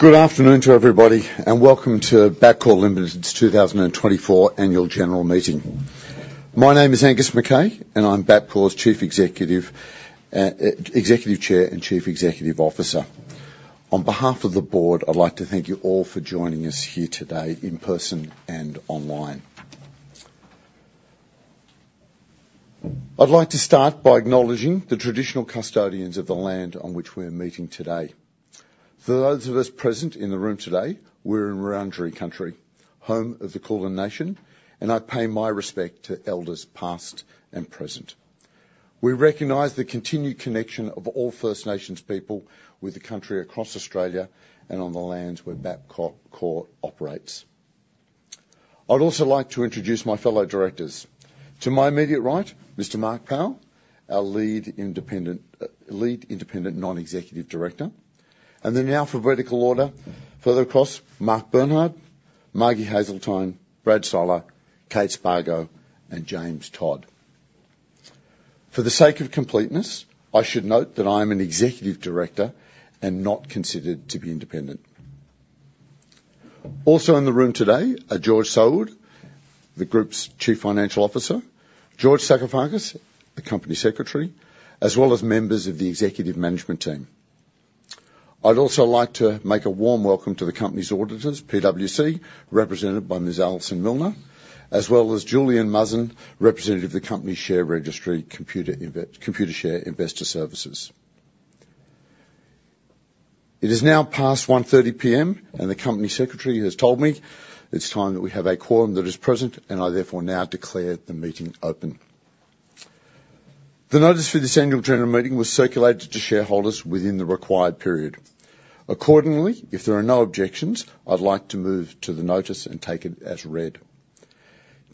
Good afternoon to everybody, and welcome to Bapcor Limited's Two Thousand and Twenty-Four Annual General Meeting. My name is Angus McKay, and I'm Bapcor's Chief Executive, Executive Chair and Chief Executive Officer. On behalf of the board, I'd like to thank you all for joining us here today in person and online. I'd like to start by acknowledging the traditional custodians of the land on which we're meeting today. For those of us present in the room today, we're in Wurundjeri Country, home of the Kulin Nation, and I pay my respect to elders past and present. We recognize the continued connection of all First Nations people with the country across Australia and on the lands where Bapcor operates. I'd also like to introduce my fellow directors. To my immediate right, Mr. Mark Powell, our Lead Independent Non-Executive Director, and then in alphabetical order, further across, Mark Bernhard, Margie Haseltine, Brad Soller, Kate Spargo, and James Todd. For the sake of completeness, I should note that I am an executive director and not considered to be independent. Also in the room today are George Saoud, the group's Chief Financial Officer, George Sakoufakis, the Company Secretary, as well as members of the executive management team. I'd also like to make a warm welcome to the company's auditors, PWC, represented by Ms. Alison Milner, as well as Juliana Mazza, representative of the company share registry Computershare Investor Services. It is now past 1:30 P.M., and the Company Secretary has told me it's time that we have a quorum that is present, and I therefore now declare the meeting open. The notice for this Annual General Meeting was circulated to shareholders within the required period. Accordingly, if there are no objections, I'd like to move to the notice and take it as read.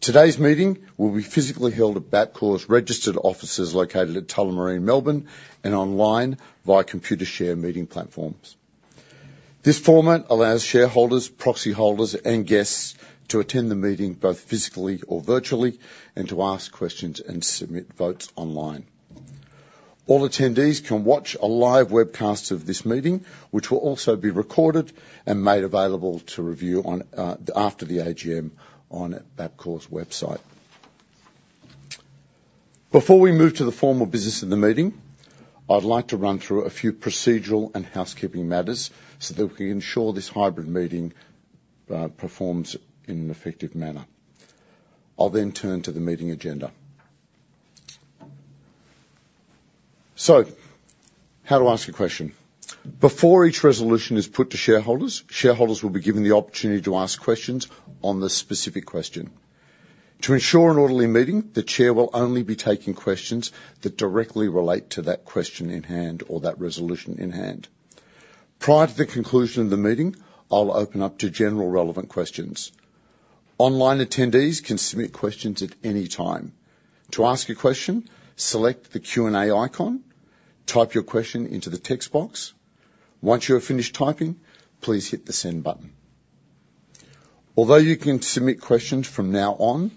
Today's meeting will be physically held at Bapcor's registered offices, located at Tullamarine, Melbourne, and online via Computershare meeting platforms. This format allows shareholders, proxy holders, and guests to attend the meeting both physically or virtually and to ask questions and submit votes online. All attendees can watch a live webcast of this meeting, which will also be recorded and made available to review on, after the AGM on Bapcor's website. Before we move to the formal business of the meeting, I'd like to run through a few procedural and housekeeping matters so that we can ensure this hybrid meeting performs in an effective manner. I'll then turn to the meeting agenda. So how to ask a question. Before each resolution is put to shareholders, shareholders will be given the opportunity to ask questions on the specific question. To ensure an orderly meeting, the Chair will only be taking questions that directly relate to that question in hand or that resolution in hand. Prior to the conclusion of the meeting, I'll open up to general relevant questions. Online attendees can submit questions at any time. To ask a question, select the Q&A icon, type your question into the text box. Once you have finished typing, please hit the Send button. Although you can submit questions from now on,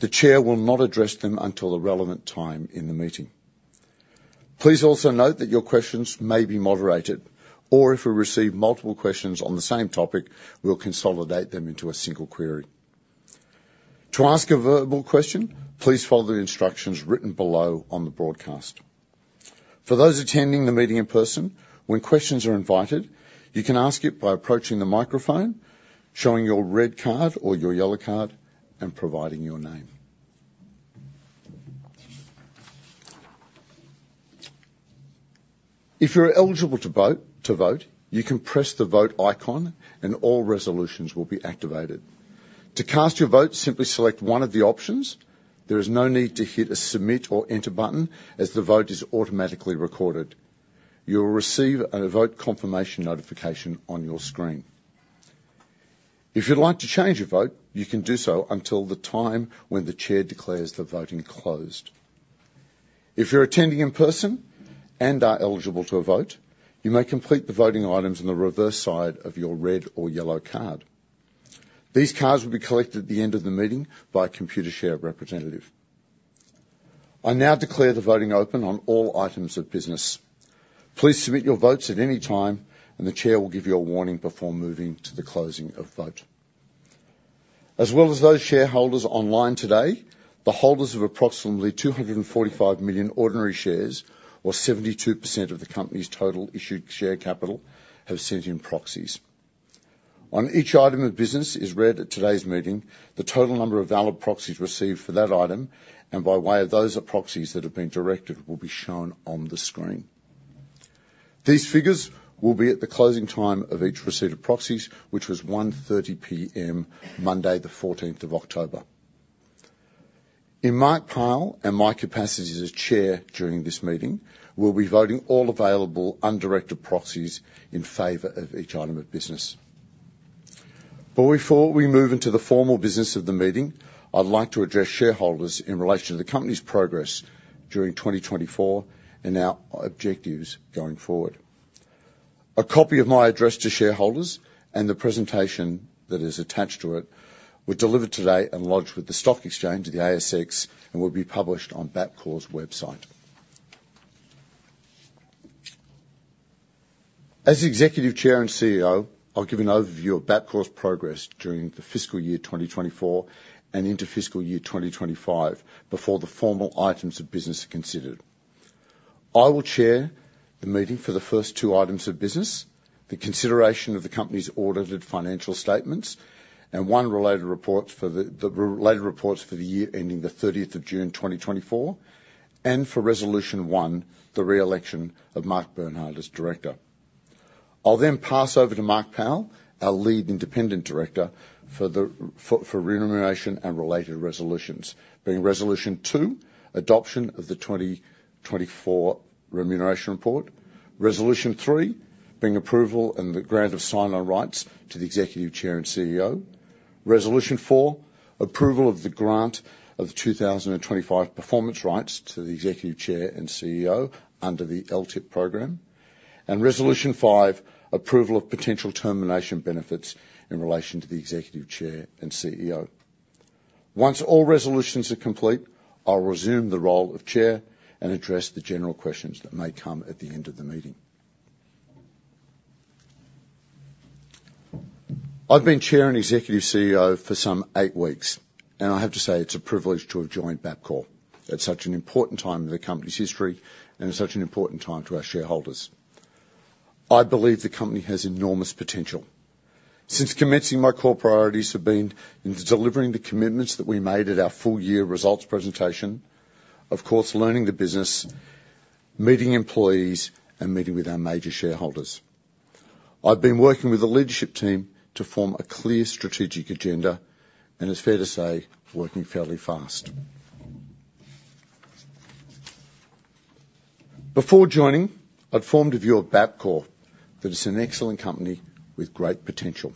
the Chair will not address them until the relevant time in the meeting. Please also note that your questions may be moderated, or if we receive multiple questions on the same topic, we'll consolidate them into a single query. To ask a verbal question, please follow the instructions written below on the broadcast. For those attending the meeting in person, when questions are invited, you can ask it by approaching the microphone, showing your red card or your yellow card, and providing your name. If you're eligible to vote, you can press the Vote icon, and all resolutions will be activated. To cast your vote, simply select one of the options. There is no need to hit a Submit or Enter button, as the vote is automatically recorded. You will receive a vote confirmation notification on your screen. If you'd like to change your vote, you can do so until the time when the Chair declares the voting closed. If you're attending in person and are eligible to vote, you may complete the voting items on the reverse side of your red or yellow card. These cards will be collected at the end of the meeting by a Computershare representative. I now declare the voting open on all items of business. Please submit your votes at any time, and the Chair will give you a warning before moving to the closing of vote. As well as those shareholders online today, the holders of approximately 245 million ordinary shares, or 72% of the company's total issued share capital, have sent in proxies. On each item of business is read at today's meeting, the total number of valid proxies received for that item, and by way of those proxies that have been directed, will be shown on the screen. These figures will be at the closing time of each receipt of proxies, which was 1:30 P.M., Monday, the fourteenth of October. In my capacity as Chair during this meeting, we'll be voting all available undirected proxies in favor of each item of business. But before we move into the formal business of the meeting, I'd like to address shareholders in relation to the company's progress during twenty twenty-four and our objectives going forward. A copy of my address to shareholders and the presentation that is attached to it were delivered today and lodged with the stock exchange at the ASX and will be published on Bapcor's website. As Executive Chair and CEO, I'll give an overview of Bapcor's progress during the Fiscal Year 2024 and into Fiscal Year 2025 before the formal items of business are considered. I will chair the meeting for the first two items of business, the consideration of the company's Audited Financial Statements, and the related reports for the year ending the thirtieth of June, 2024 and for Resolution one, the re-election of Mark Bernhard as director. I'll then pass over to Mark Powell, our Lead Independent Director, for remuneration and related resolutions: being Resolution two, adoption of the 2024 remuneration report; Resolution three, being approval and the grant of sign-on rights to the Executive Chair and CEO; Resolution four, approval of the grant of the 2025 performance rights to the Executive Chair and CEO under the LTIP program; and Resolution five, approval of potential termination benefits in relation to the Executive Chair and CEO. Once all resolutions are complete, I'll resume the role of chair and address the general questions that may come at the end of the meeting. I've been Chair and Executive CEO for some eight weeks, and I have to say it's a privilege to have joined Bapcor at such an important time in the company's history and at such an important time to our shareholders. I believe the company has enormous potential. Since commencing, my core priorities have been in delivering the commitments that we made at our full year results presentation, of course, learning the business, meeting employees, and meeting with our major shareholders. I've been working with the leadership team to form a clear strategic agenda, and it's fair to say, working fairly fast. Before joining, I'd formed a view of Bapcor that it's an excellent company with great potential.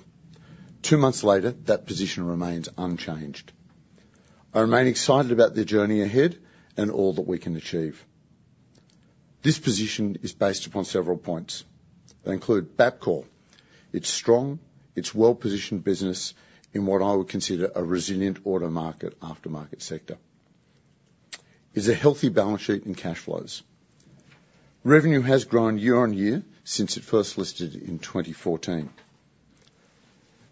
Two months later, that position remains unchanged. I remain excited about the journey ahead and all that we can achieve. This position is based upon several points that include Bapcor. It's strong, it's well-positioned business in what I would consider a resilient auto market aftermarket sector. It's a healthy balance sheet and cash flows. Revenue has grown year on year since it first listed in 2014.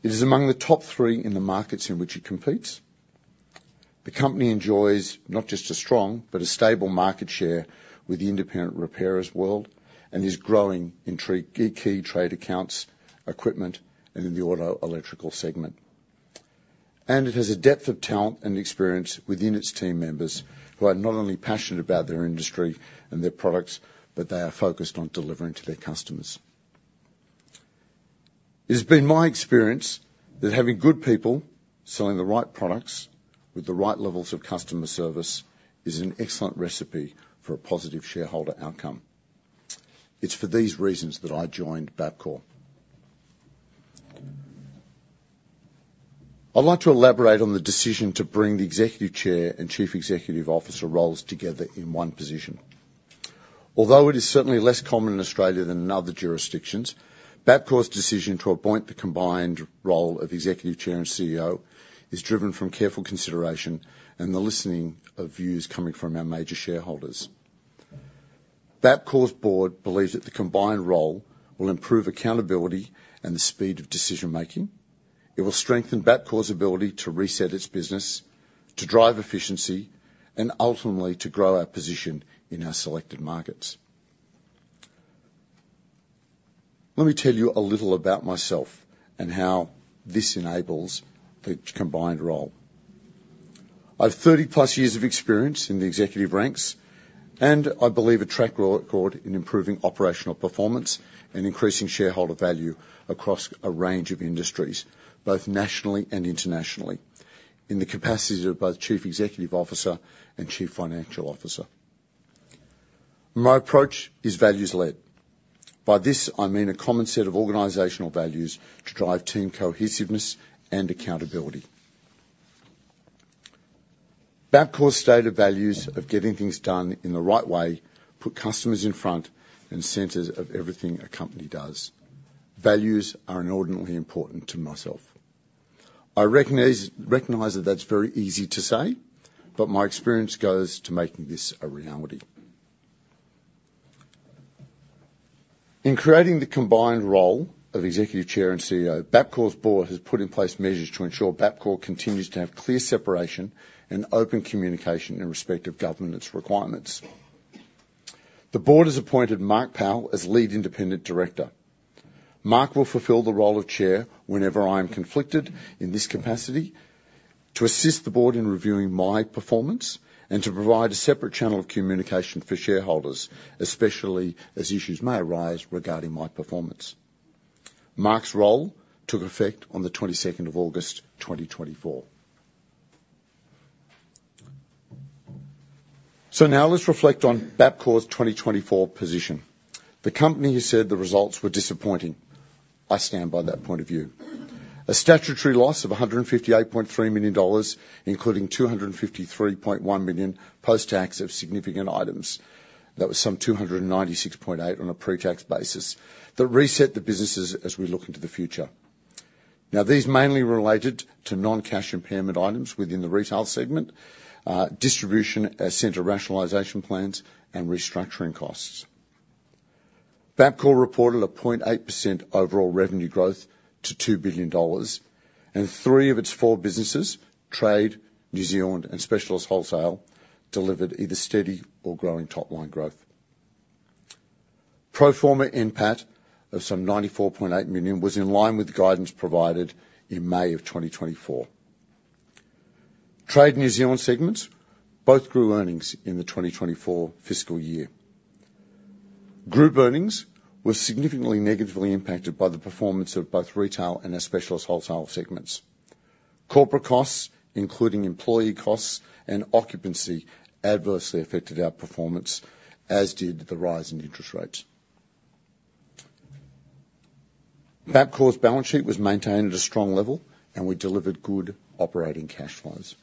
It is among the top three in the markets in which it competes. The company enjoys not just a strong but a stable market share with the independent repairers world and is growing in trade, key trade accounts, equipment, and in the auto electrical segment, and it has a depth of talent and experience within its team members, who are not only passionate about their industry and their products, but they are focused on delivering to their customers. It has been my experience that having good people selling the right products with the right levels of customer service is an excellent recipe for a positive shareholder outcome. It's for these reasons that I joined Bapcor. I'd like to elaborate on the decision to bring the Executive Chair and Chief Executive Officer roles together in one position. Although it is certainly less common in Australia than in other jurisdictions, Bapcor's decision to appoint the combined role of Executive Chair and CEO is driven from careful consideration and the listening of views coming from our major shareholders. Bapcor's board believes that the combined role will improve accountability and the speed of decision-making. It will strengthen Bapcor's ability to reset its business, to drive efficiency, and ultimately, to grow our position in our selected markets. Let me tell you a little about myself and how this enables the combined role. I have 30-plus years of experience in the executive ranks, and I believe a track record in improving operational performance and increasing shareholder value across a range of industries, both nationally and internationally, in the capacities of both Chief Executive Officer and Chief Financial Officer. My approach is values-led. By this, I mean a common set of organizational values to drive team cohesiveness and accountability. Bapcor's stated values of getting things done in the right way put customers in front and center of everything a company does. Values are inordinately important to myself. I recognize that that's very easy to say, but my experience goes to making this a reality. In creating the combined role of Executive Chair and CEO, Bapcor's board has put in place measures to ensure Bapcor continues to have clear separation and open communication in respect of governance requirements. The board has appointed Mark Powell as Lead Independent Director. Mark will fulfill the role of Chair whenever I am conflicted in this capacity, to assist the board in reviewing my performance, and to provide a separate channel of communication for shareholders, especially as issues may arise regarding my performance. Mark's role took effect on the twenty-second of August, 2024. So now let's reflect on Bapcor's 2024 position. The company has said the results were disappointing. I stand by that point of view. A statutory loss of 158.3 million dollars, including 253.1 million post-tax of significant items. That was some 296.8 million on a pre-tax basis, that reset the businesses as we look into the future. Now, these mainly related to non-cash impairment items within the retail segment, distribution center rationalization plans, and restructuring costs. Bapcor reported 0.8% overall revenue growth to 2 billion dollars, and three of its four businesses, Trade, New Zealand, and Specialist Wholesale, delivered either steady or growing top-line growth. Pro forma NPAT of some 94.8 million was in line with the guidance provided in May 2024. Trade New Zealand segments both grew earnings in the 2024 fiscal year. Group earnings were significantly negatively impacted by the performance of both Retail and our Specialist Wholesale segments. Corporate costs, including employee costs and occupancy, adversely affected our performance, as did the rise in interest rates. Bapcor's balance sheet was maintained at a strong level, and we delivered good operating cash flows.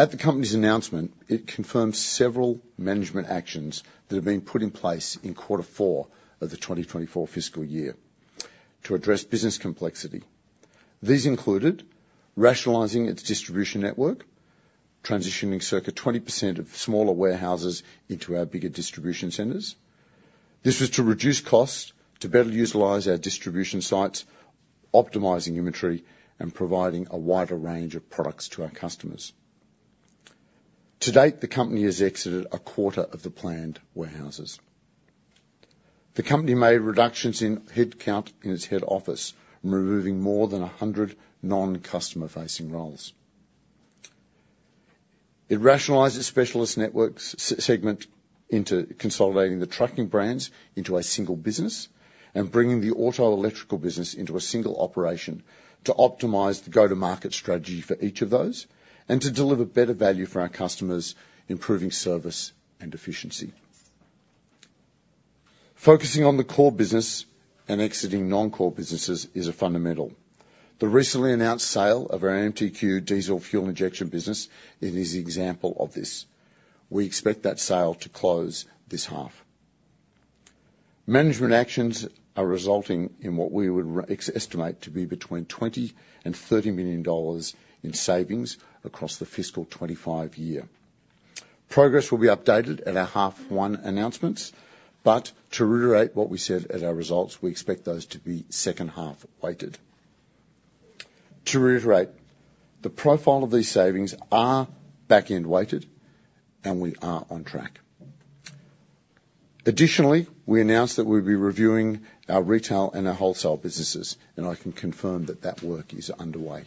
At the company's announcement, it confirmed several management actions that have been put in place in quarter four of the 2024 Fiscal Year to address business complexity. These included rationalizing its distribution network, transitioning circa 20% of smaller warehouses into our bigger distribution centers. This was to reduce costs, to better utilize our distribution sites, optimizing inventory, and providing a wider range of products to our customers. To date, the company has exited a quarter of the planned warehouses. The company made reductions in headcount in its head office, removing more than 100 non-customer-facing roles. It rationalized its Specialist Networks segment into consolidating the trucking brands into a single business and bringing the Auto Electrical business into a single operation to optimize the go-to-market strategy for each of those and to deliver better value for our customers, improving service and efficiency. Focusing on the core business and exiting non-core businesses is a fundamental. The recently announced sale of our MTQ diesel fuel injection business is an example of this. We expect that sale to close this half. Management actions are resulting in what we would estimate to be between 20 million and 30 million dollars in savings across the Fiscal 2025 year. Progress will be updated at our half one announcements, but to reiterate what we said at our results, we expect those to be second half weighted. To reiterate, the profile of these savings are back-end weighted, and we are on track. Additionally, we announced that we'll be reviewing our retail and our wholesale businesses, and I can confirm that that work is underway.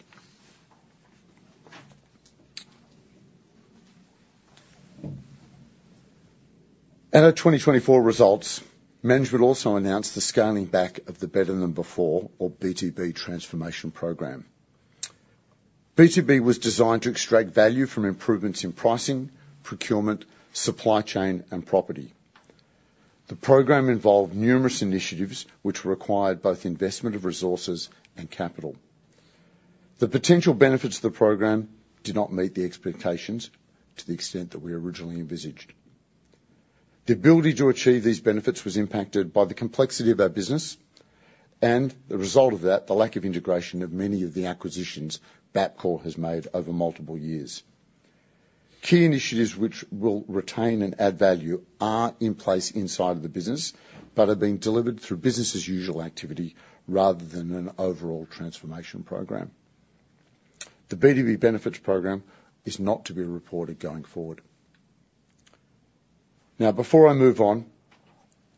At our 2024 results, management also announced the scaling back of the Better Than Before, or BTB, transformation program. BTB was designed to extract value from improvements in pricing, procurement, supply chain, and property. The program involved numerous initiatives which required both investment of resources and capital. The potential benefits of the program did not meet the expectations to the extent that we originally envisaged. The ability to achieve these benefits was impacted by the complexity of our business and the result of that, the lack of integration of many of the acquisitions Bapcor has made over multiple years. Key initiatives which will retain and add value are in place inside of the business but are being delivered through business as usual activity rather than an overall transformation program. The BTB benefits program is not to be reported going forward. Now, before I move on,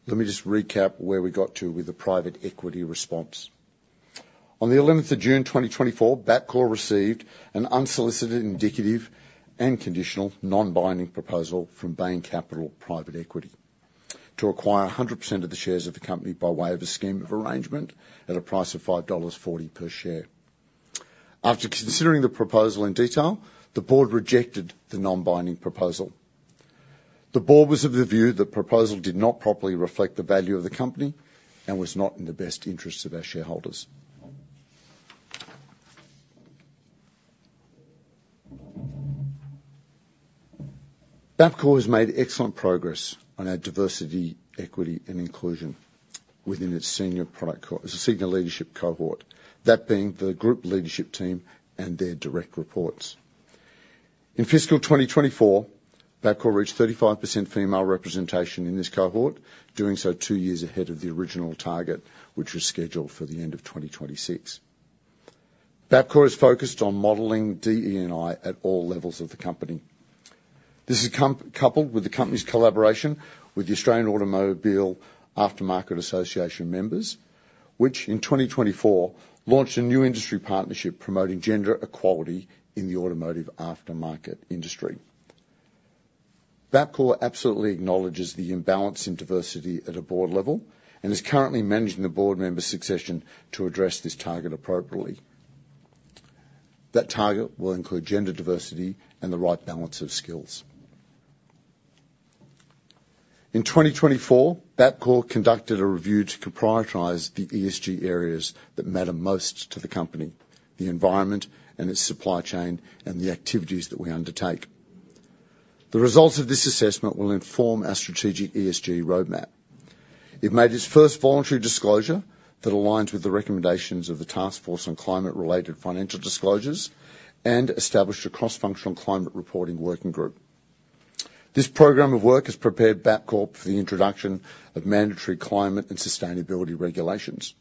let me just recap where we got to with the private equity response. On the eleventh of June 2024, Bapcor received an unsolicited, indicative, and conditional non-binding proposal from Bain Capital Private Equity to acquire 100% of the shares of the company by way of a scheme of arrangement at a price of 5.40 dollars per share. After considering the proposal in detail, the board rejected the non-binding proposal. The board was of the view the proposal did not properly reflect the value of the company and was not in the best interest of our shareholders. Bapcor has made excellent progress on our diversity, equity, and inclusion within its senior leadership cohort, that being the group leadership team and their direct reports. In Fiscal 2024, Bapcor reached 35% female representation in this cohort, doing so two years ahead of the original target, which was scheduled for the end of 2026. Bapcor is focused on modeling DE&I at all levels of the company. This has come coupled with the company's collaboration with the Australian Automobile Aftermarket Association members, which in 2024 launched a new industry partnership promoting gender equality in the automotive aftermarket industry. Bapcor absolutely acknowledges the imbalance in diversity at a board level and is currently managing the board member succession to address this target appropriately. That target will include gender diversity and the right balance of skills. In 2024, Bapcor conducted a review to prioritize the ESG areas that matter most to the company, the environment and its supply chain, and the activities that we undertake. The results of this assessment will inform our strategic ESG roadmap. It made its first voluntary disclosure that aligns with the recommendations of the Task Force on Climate-Related Financial Disclosures, and established a cross-functional climate reporting working group. This program of work has prepared Bapcor for the introduction of mandatory climate and sustainability regulations.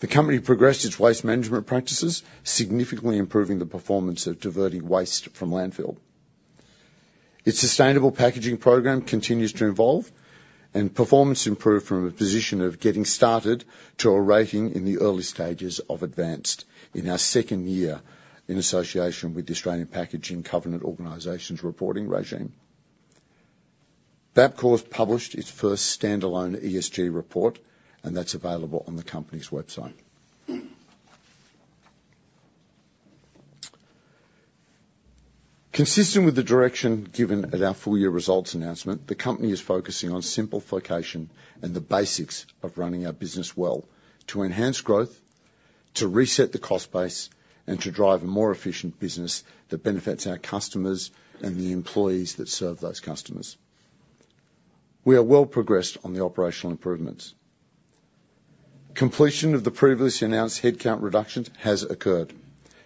The company progressed its waste management practices, significantly improving the performance of diverting waste from landfill. Its sustainable packaging program continues to evolve, and performance improved from a position of getting started to a rating in the early stages of advanced in our second year, in association with the Australian Packaging Covenant Organisation's reporting regime. Bapcor has published its first standalone ESG report, and that's available on the company's website. Consistent with the direction given at our full year results announcement, the company is focusing on simplification and the basics of running our business well, to enhance growth, to reset the cost base, and to drive a more efficient business that benefits our customers and the employees that serve those customers. We are well progressed on the operational improvements. Completion of the previously announced headcount reductions has occurred,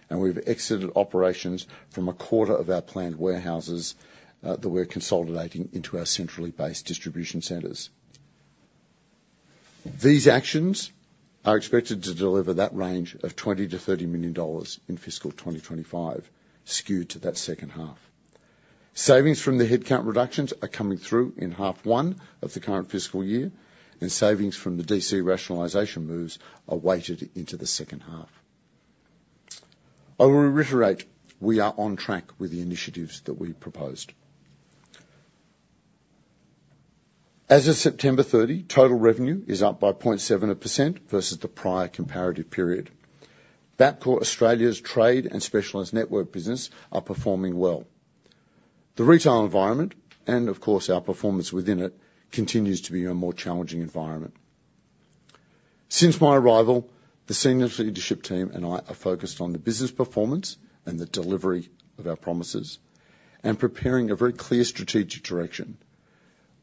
and we've exited operations from a quarter of our planned warehouses that we're consolidating into our centrally based distribution centers. These actions are expected to deliver that range of 20 million-30 million dollars in Fiscal 2025, skewed to that second half. Savings from the headcount reductions are coming through in half one of the current Fiscal Year, and savings from the DC rationalization moves are weighted into the second half. I will reiterate, we are on track with the initiatives that we proposed. As of September 30, total revenue is up by 0.7% versus the prior comparative period. Bapcor Australia's trade and specialist network business are performing well. The retail environment, and of course, our performance within it, continues to be a more challenging environment. Since my arrival, the senior leadership team and I are focused on the business performance and the delivery of our promises, and preparing a very clear strategic direction.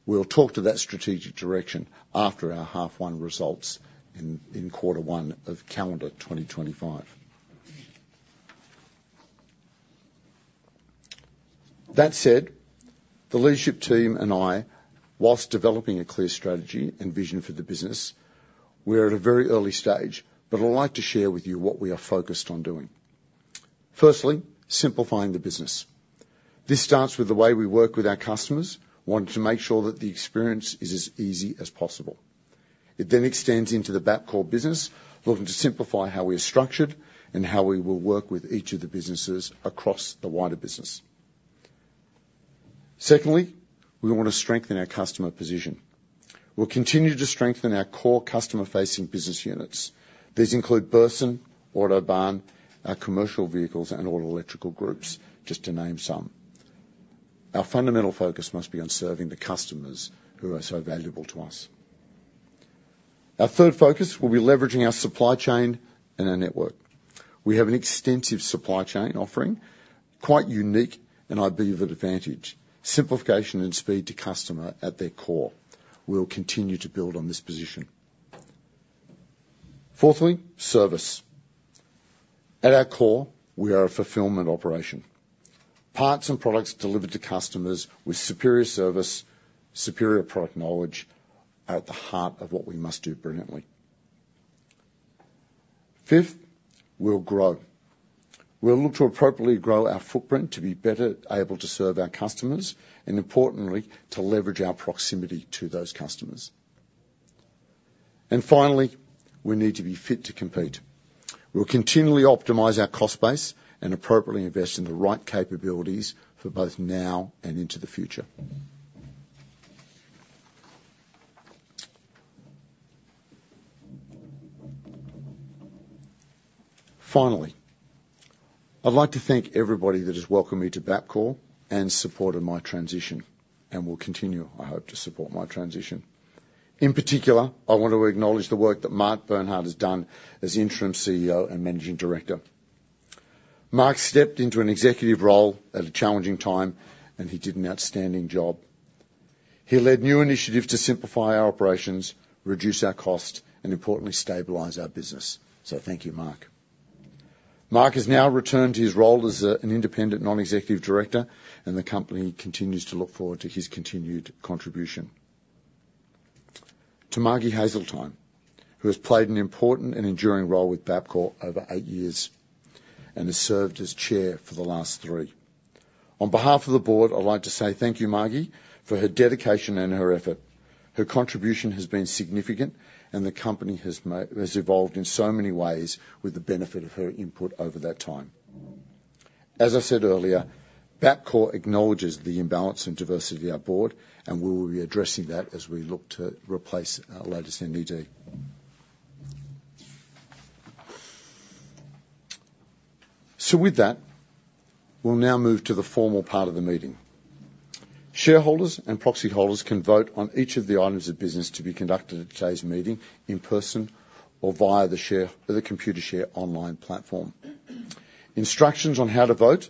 We'll talk to that strategic direction after our half one results in quarter one of calendar 2025. That said, the leadership team and I, whilst developing a clear strategy and vision for the business, we're at a very early stage, but I'd like to share with you what we are focused on doing. Firstly, simplifying the business. This starts with the way we work with our customers, wanting to make sure that the experience is as easy as possible. It then extends into the Bapcor business, looking to simplify how we are structured and how we will work with each of the businesses across the wider business. Secondly, we want to strengthen our customer position. We'll continue to strengthen our core customer-facing business units. These include Burson, Autobarn, our commercial vehicles, and all electrical groups, just to name some. Our fundamental focus must be on serving the customers who are so valuable to us. Our third focus will be leveraging our supply chain and our network. We have an extensive supply chain offering, quite unique, and I believe an advantage. Simplification and speed to customer at their core. We'll continue to build on this position. Fourthly, service. At our core, we are a fulfillment operation. Parts and products delivered to customers with superior service, superior product knowledge, are at the heart of what we must do brilliantly. Fifth, we'll grow. We'll look to appropriately grow our footprint to be better able to serve our customers, and importantly, to leverage our proximity to those customers, and finally, we need to be fit to compete. We'll continually optimize our cost base and appropriately invest in the right capabilities for both now and into the future. Finally, I'd like to thank everybody that has welcomed me to Bapcor and supported my transition, and will continue, I hope, to support my transition. In particular, I want to acknowledge the work that Mark Bernhard has done as Interim CEO and Managing Director. Mark stepped into an executive role at a challenging time, and he did an outstanding job. He led new initiatives to simplify our operations, reduce our cost, and importantly, stabilize our business. So thank you, Mark. Mark has now returned to his role as an Independent Non-Executive Director, and the company continues to look forward to his continued contribution. To Margie Haseltine, who has played an important and enduring role with Bapcor over eight years and has served as Chair for the last three. On behalf of the board, I'd like to say thank you, Margie, for her dedication and her effort. Her contribution has been significant, and the company has evolved in so many ways with the benefit of her input over that time. As I said earlier, Bapcor acknowledges the imbalance in diversity of our board, and we will be addressing that as we look to replace our latest NED. So with that, we'll now move to the formal part of the meeting. Shareholders and proxy holders can vote on each of the items of business to be conducted at today's meeting in person or via the Computershare online platform. Instructions on how to vote,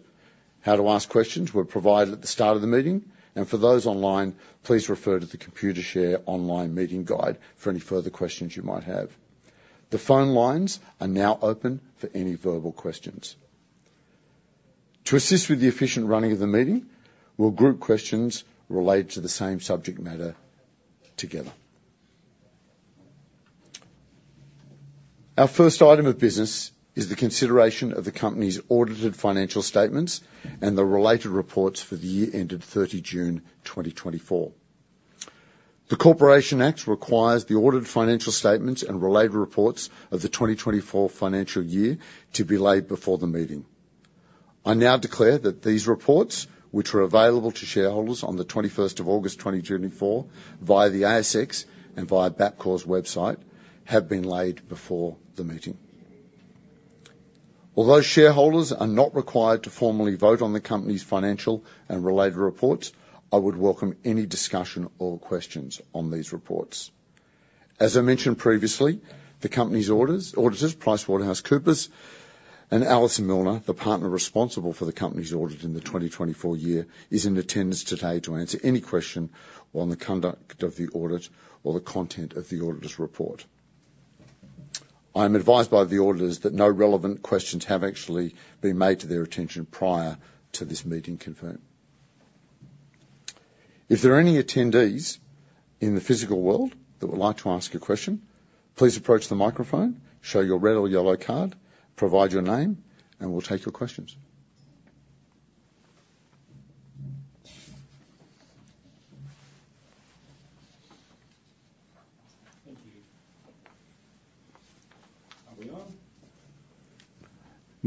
how to ask questions, were provided at the start of the meeting, and for those online, please refer to the Computershare online meeting guide for any further questions you might have. The phone lines are now open for any verbal questions. To assist with the efficient running of the meeting, we'll group questions related to the same subject matter together. Our first item of business is the consideration of the company's audited financial statements and the related reports for the year ended 30 June, twenty twenty-four. The Corporations Act requires the audited financial statements and related reports of the 2024 Financial Year to be laid before the meeting. I now declare that these reports, which were available to shareholders on the 21st of August, 2024, via the ASX and via Bapcor's website, have been laid before the meeting. Although shareholders are not required to formally vote on the company's financial and related reports, I would welcome any discussion or questions on these reports. As I mentioned previously, the company's auditors, PricewaterhouseCoopers, and Alison Milner, the partner responsible for the company's audit in the 2024 year, is in attendance today to answer any question on the conduct of the audit or the content of the auditor's report. I am advised by the auditors that no relevant questions have actually been brought to their attention prior to this meeting. Confirmed. If there are any attendees in the physical world that would like to ask a question, please approach the microphone, show your red or yellow card, provide your name, and we'll take your questions. Thank you.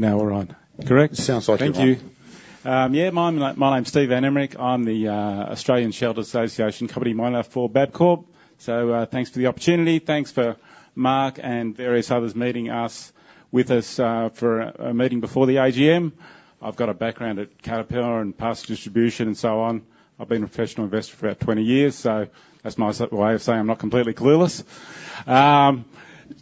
Are we on? Now we're on. Correct? Sounds like you're on. Thank you. Yeah, my name's Stephen van Emmerik. I'm the Australian Shareholders' Association Monitor for Bapcor. So, thanks for the opportunity. Thanks for Mark and various others meeting with us for a meeting before the AGM. I've got a background at Caterpillar and Parts Distribution and so on. I've been a professional investor for about 20 years, so that's my way of saying I'm not completely clueless.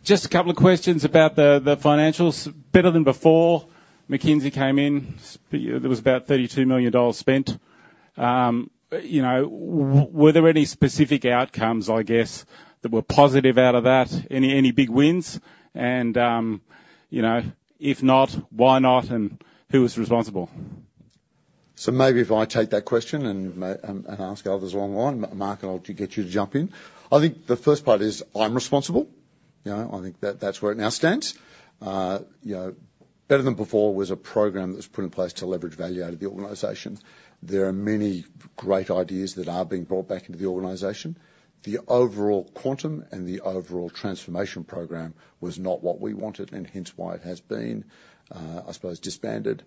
Just a couple of questions about the financials. Better Than Before, McKinsey came in. There was about AUD 32 million spent. You know, were there any specific outcomes, I guess, that were positive out of that? Any big wins? And, you know, if not, why not, and who was responsible? So maybe if I take that question and ask others along the line. Mark, I'll get you to jump in. I think the first part is, I'm responsible. You know, I think that, that's where it now stands. You know, Better Than Before was a program that was put in place to leverage value out of the organization. There are many great ideas that are being brought back into the organization. The overall quantum and the overall transformation program was not what we wanted, and hence why it has been, I suppose, disbanded.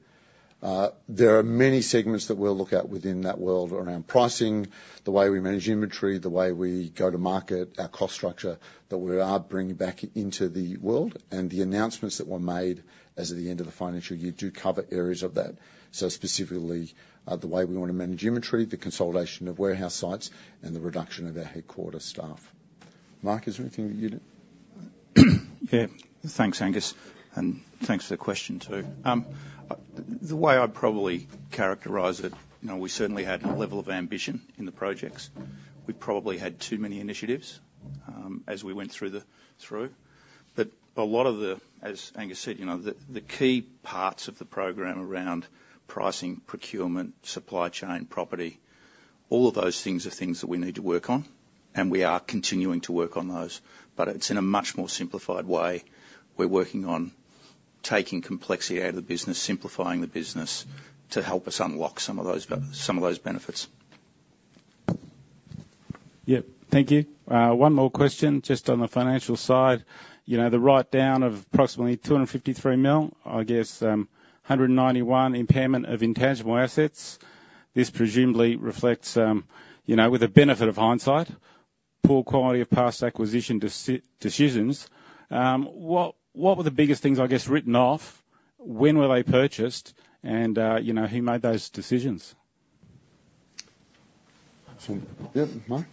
There are many segments that we'll look at within that world around pricing, the way we manage inventory, the way we go to market, our cost structure, that we are bringing back into the world, and the announcements that were made as of the end of the financial year do cover areas of that. So specifically, the way we want to manage inventory, the consolidation of warehouse sites, and the reduction of our headquarter staff. Mark, is there anything that you'd add? Yeah. Thanks, Angus, and thanks for the question, too. The way I'd probably characterize it, you know, we certainly had a level of ambition in the projects. We probably had too many initiatives as we went through the. But a lot of the, as Angus said, you know, the key parts of the program around pricing, procurement, supply chain, property, all of those things are things that we need to work on, and we are continuing to work on those, but it's in a much more simplified way. We're working on taking complexity out of the business, simplifying the business, to help us unlock some of those benefits. Yeah. Thank you. One more question, just on the financial side. You know, the write-down of approximately 253 million, I guess, 191 million impairment of intangible assets. This presumably reflects, you know, with the benefit of hindsight, poor quality of past acquisition decisions. What were the biggest things, I guess, written off? When were they purchased? And, you know, who made those decisions? Yeah, Mark?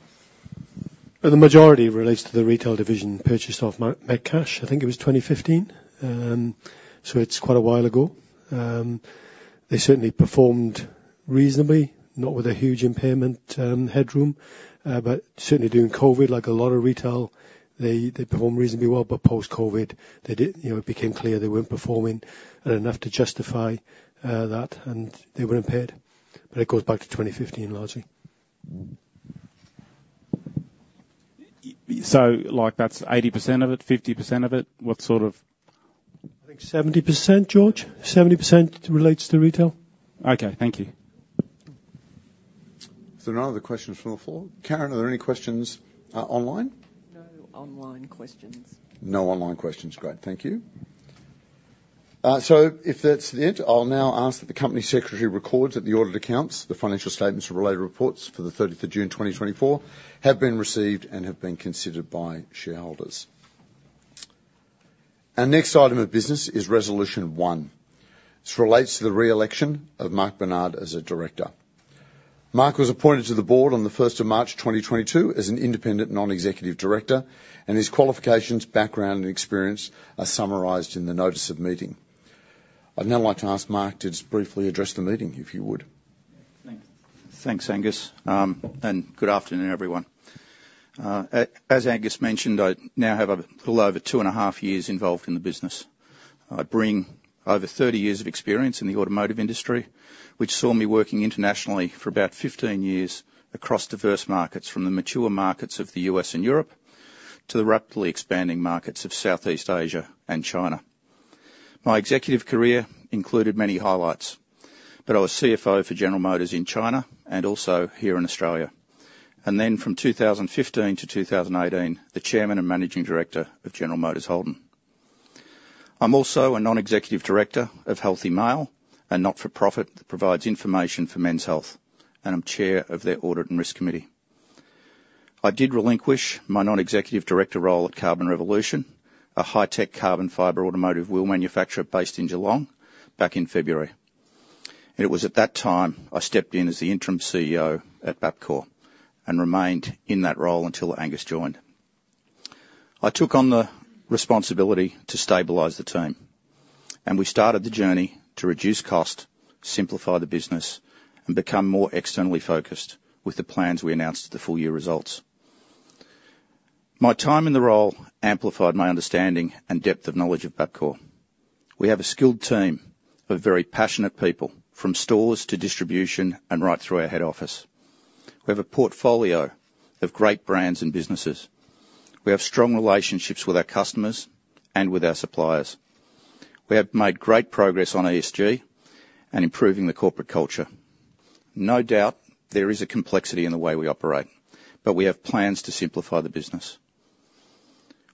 The majority relates to the retail division purchased off Metcash. I think it was 2015. So it's quite a while ago. They certainly performed reasonably, not with a huge impairment, headroom, but certainly during COVID, like a lot of retail, they performed reasonably well. But post-COVID, they did. You know, it became clear they weren't performing enough to justify that, and they were impaired, but it goes back to 2015 largely. So, like, that's 80% of it, 50% of it? What sort of- I think 70%, sorts. 70% relates to retail. Okay, thank you. If there are no other questions from the floor, Karen, are there any questions online? No online questions. No online questions. Great. Thank you. So if that's the end, I'll now ask that the company secretary records that the audit accounts, the financial statements and related reports for the 30th of June, 2024 have been received and have been considered by shareholders. Our next item of business is Resolution one. This relates to the re-election of Mark Bernhard as a director. Mark was appointed to the board on the 1st of March, 2022, as an independent non-executive director, and his qualifications, background, and experience are summarized in the notice of meeting. I'd now like to ask Mark to just briefly address the meeting, if you would. Thanks, Angus, and good afternoon, everyone. As Angus mentioned, I now have a little over two and a half years involved in the business. I bring over 30 of experience in the automotive industry, which saw me working internationally for about15 years across diverse markets, from the mature markets of the U.S. and Europe to the rapidly expanding markets of Southeast Asia and China. My executive career included many highlights, but I was CFO for General Motors in China and also here in Australia, and then from 2015 to 2018, the Chairman and Managing Director of General Motors Holden. I'm also a Non-executive Director of Healthy Male, a not-for-profit that provides information for men's health, and I'm Chair of their audit and risk committee. I did relinquish my non-executive director role at Carbon Revolution, a high-tech carbon fiber automotive wheel manufacturer based in Geelong, back in February, and it was at that time I stepped in as the Interim CEO at Bapcor and remained in that role until Angus joined. I took on the responsibility to stabilize the team, and we started the journey to reduce cost, simplify the business and become more externally focused with the plans we announced at the full year results. My time in the role amplified my understanding and depth of knowledge of Bapcor. We have a skilled team of very passionate people, from stores to distribution and right through our head office. We have a portfolio of great brands and businesses. We have strong relationships with our customers and with our suppliers. We have made great progress on ESG and improving the corporate culture. No doubt, there is a complexity in the way we operate, but we have plans to simplify the business.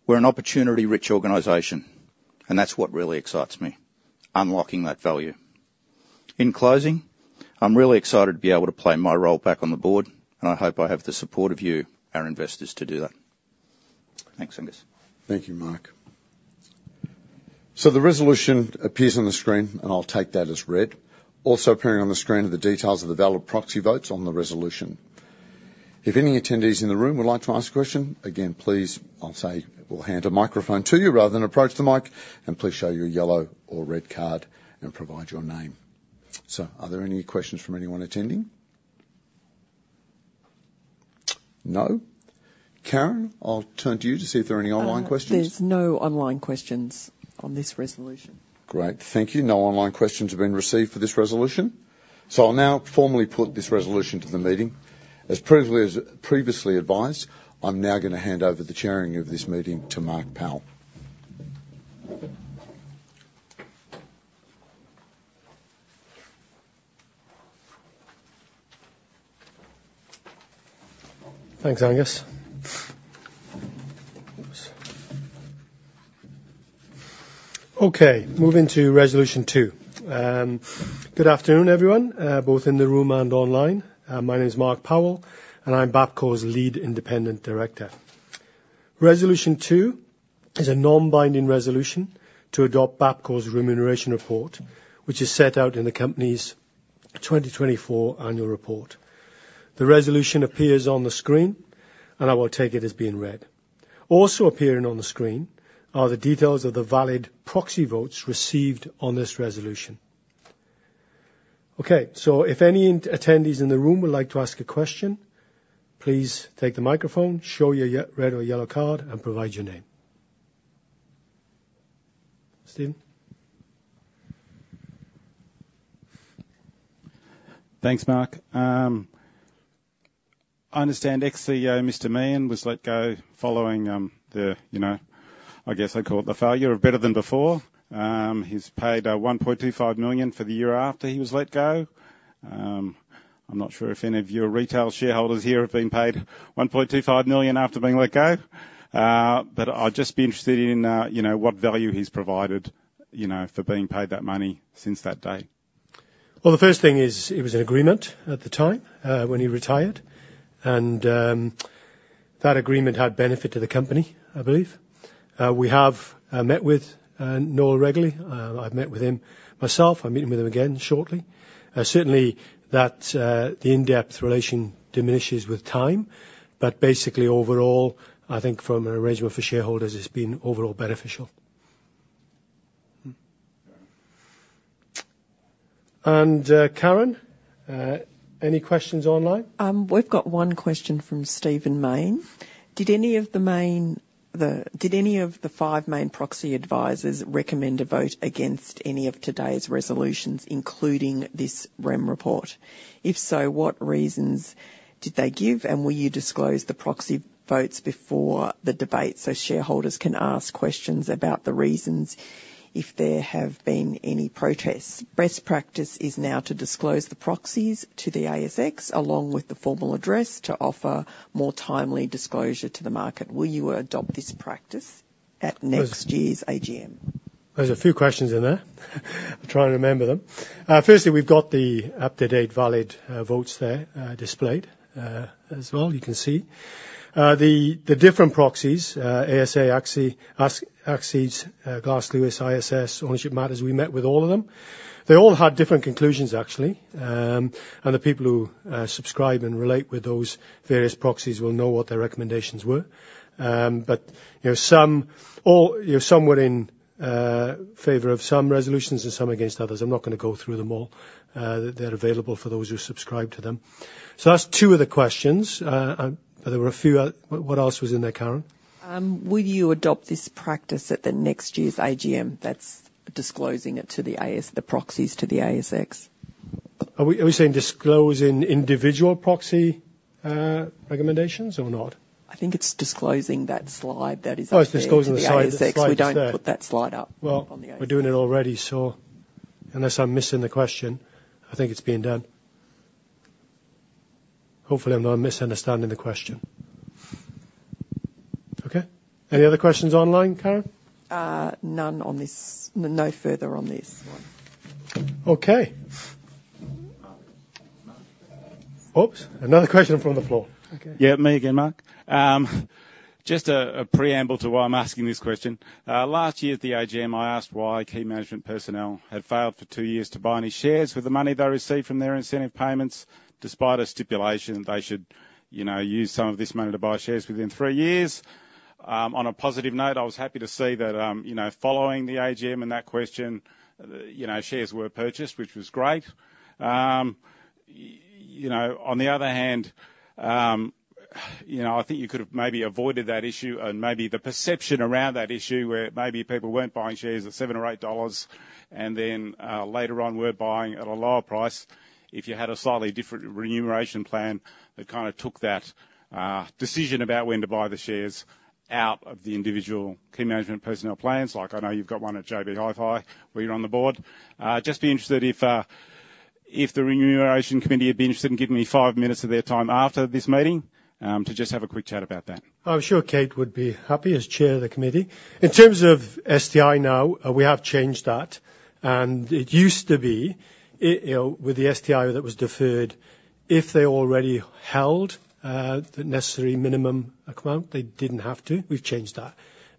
We're an opportunity-rich organization, and that's what really excites me, unlocking that value. In closing, I'm really excited to be able to play my role back on the board, and I hope I have the support of you, our investors, to do that. Thanks, Angus. Thank you, Mark. So the resolution appears on the screen, and I'll take that as read. Also appearing on the screen are the details of the valid proxy votes on the resolution. If any attendees in the room would like to ask a question, again, please, I'll say we'll hand a microphone to you rather than approach the mic, and please show your yellow or red card and provide your name. So are there any questions from anyone attending? No. Karen, I'll turn to you to see if there are any online questions. There's no online questions on this resolution. Great. Thank you. No online questions have been received for this resolution. So I'll now formally put this resolution to the meeting. As previously advised, I'm now gonna hand over the chairing of this meeting to Mark Powell. Thanks, Angus. Okay, moving to resolution two. Good afternoon, everyone, both in the room and online. My name is Mark Powell, and I'm Bapcor's Lead Independent Director. Resolution two is a non-binding resolution to adopt Bapcor's remuneration report, which is set out in the company's 2024 Annual Report. The resolution appears on the screen, and I will take it as being read. Also appearing on the screen are the details of the valid proxy votes received on this resolution. Okay, so if any attendees in the room would like to ask a question, please take the microphone, show your red or yellow card and provide your name. Steven? Thanks, Mark. I understand ex-CEO, Mr. Meehan, was let go following the, you know, I guess I call it the failure of Better Than Before. He's paid 1.25 million for the year after he was let go. I'm not sure if any of your retail shareholders here have been paid 1.25 million after being let go. But I'd just be interested in you know, what value he's provided, you know, for being paid that money since that day. The first thing is it was an agreement at the time, when he retired, and, that agreement had benefit to the company, I believe. We have met with Noel regularly. I've met with him myself. I'm meeting with him again shortly. Certainly, that, the in-depth relation diminishes with time, but basically, overall, I think from an arrangement for shareholders, it's been overall beneficial. Mm. Karen, any questions online? We've got one question from Stephen Mayne. Did any of the five main proxy advisors recommend a vote against any of today's resolutions, including this remuneration report? If so, what reasons did they give, and will you disclose the proxy votes before the debate so shareholders can ask questions about the reasons if there have been any protests? Best practice is now to disclose the proxies to the ASX, along with the formal address, to offer more timely disclosure to the market. Will you adopt this practice at next year's AGM?... There's a few questions in there. I'll try and remember them. Firstly, we've got the up-to-date valid votes there displayed as well, you can see. The different proxies, ASA, ASX, Glass Lewis, ISS, Ownership Matters, we met with all of them. They all had different conclusions, actually. And the people who subscribe and relate with those various proxies will know what their recommendations were. But, you know, some were in favor of some resolutions and some against others. I'm not gonna go through them all. They're available for those who subscribe to them. So that's two of the questions. But there were a few. What else was in there, Karen? Will you adopt this practice at the next year's AGM that's disclosing it to the AS, the proxies to the ASX? Are we, are we saying disclosing individual proxy recommendations or not? I think it's disclosing that slide that is up there. Oh, it's disclosing the slide- The ASX. That slide that's there. We don't put that slide up- Well- -on the ASX. We're doing it already, so unless I'm missing the question, I think it's being done. Hopefully, I'm not misunderstanding the question. Okay. Any other questions online, Karen? None on this. No further on this one. Okay. Oops! Another question from the floor. Okay. Yeah, me again, Mark. Just a preamble to why I'm asking this question. Last year at the AGM, I asked why key management personnel had failed for two years to buy any shares with the money they received from their incentive payments, despite a stipulation they should, you know, use some of this money to buy shares within three years. On a positive note, I was happy to see that, you know, following the AGM and that question, you know, shares were purchased, which was great. You know, on the other hand, I think you could have maybe avoided that issue and maybe the perception around that issue, where maybe people weren't buying shares at 7 or 8 dollars, and then, later on, were buying at a lower price. If you had a slightly different remuneration plan, that kind of took that decision about when to buy the shares out of the individual key management personnel plans, like, I know you've got one at JB Hi-Fi, where you're on the board. Just be interested if the Remuneration Committee would be interested in giving me five minutes of their time after this meeting, to just have a quick chat about that. I'm sure Kate would be happy as chair of the committee. In terms of STI now, we have changed that. And it used to be, it, you know, with the STI that was deferred, if they already held the necessary minimum amount, they didn't have to. We've changed that,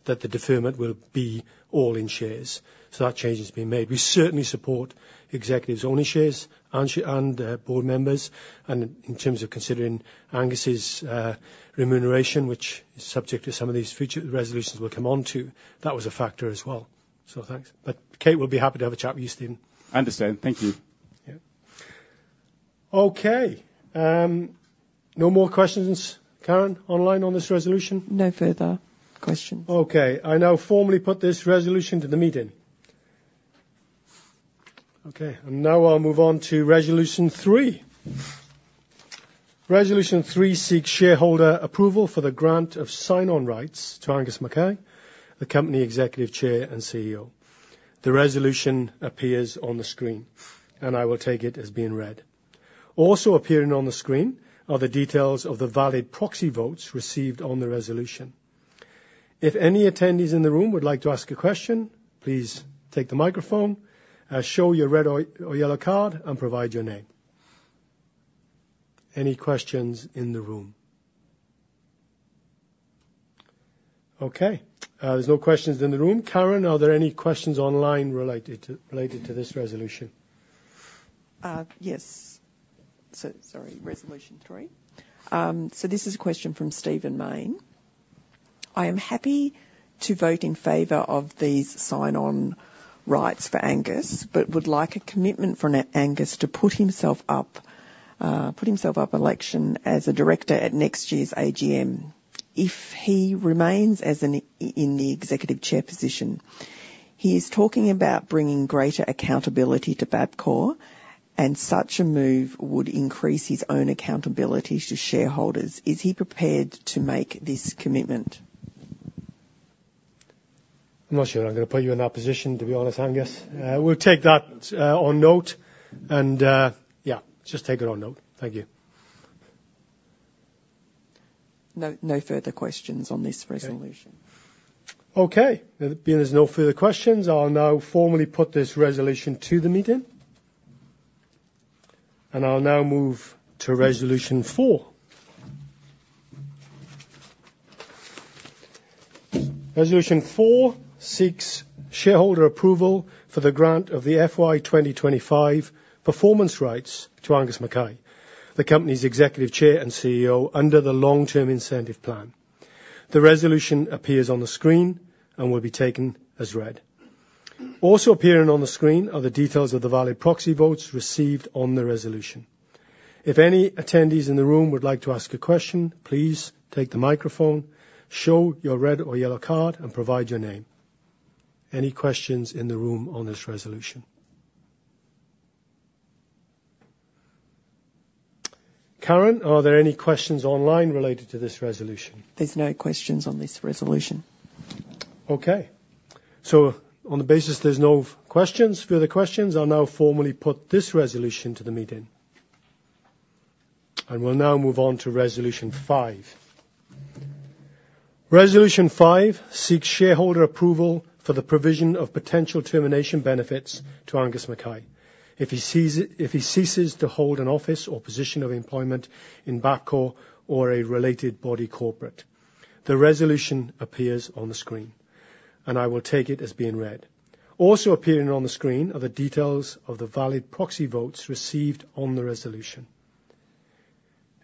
that the deferment will be all in shares. So that change has been made. We certainly support executives owning shares and board members. And in terms of considering Angus's remuneration, which is subject to some of these future resolutions we'll come on to, that was a factor as well. So thanks. But Kate will be happy to have a chat with you, Stephen. Understand. Thank you. Yeah. Okay, no more questions, Karen, online on this resolution? No further questions. Okay. I now formally put this resolution to the meeting. Okay, and now I'll move on to resolution three. Resolution three seeks shareholder approval for the grant of sign-on rights to Angus Mackay, the Company Executive Chair and CEO. The resolution appears on the screen, and I will take it as being read. Also appearing on the screen are the details of the valid proxy votes received on the resolution. If any attendees in the room would like to ask a question, please take the microphone, show your red or yellow card, and provide your name. Any questions in the room? Okay, there's no questions in the room. Karen, are there any questions online related to this resolution? Yes. So sorry, resolution three. This is a question from Stephen Mayne. "I am happy to vote in favor of these sign-on rights for Angus, but would like a commitment from Angus to put himself up for election as a director at next year's AGM. If he remains in the Executive Chair position, he is talking about bringing greater accountability to Bapcor, and such a move would increase his own accountability to shareholders. Is he prepared to make this commitment? I'm not sure I'm gonna put you in that position, to be honest, Angus. We'll take that on notice, and yeah, just take it on notice. Thank you. No, no further questions on this resolution. Okay. Okay, seeing there's no further questions, I'll now formally put this resolution to the meeting, and I'll now move to resolution four. Resolution four seeks shareholder approval for the grant of the FY 2025 Performance Rights to Angus Mackay, the company's Executive Chair and CEO, under the Long Term Incentive Plan. The resolution appears on the screen and will be taken as read. Also appearing on the screen are the details of the valid proxy votes received on the resolution. If any attendees in the room would like to ask a question, please take the microphone, show your red or yellow card, and provide your name. Any questions in the room on this resolution? Karen, are there any questions online related to this resolution? There's no questions on this resolution. Okay. On the basis there's no further questions, I'll now formally put this resolution to the meeting. We'll now move on to Resolution five. Resolution five seeks shareholder approval for the provision of potential termination benefits to Angus McKay. If he ceases to hold an office or position of employment in Bapcor or a related body corporate. The resolution appears on the screen, and I will take it as being read. Also appearing on the screen are the details of the valid proxy votes received on the resolution.